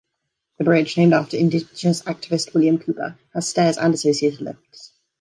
The bridge, named after indigenous activist William Cooper, has stairs and associated lifts.